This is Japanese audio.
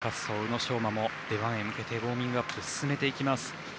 最終滑走、宇野昌磨も出番に向けてウォーミングアップを進めていきます。